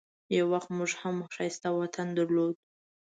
یو وخت موږ هم ښایسته وطن درلود.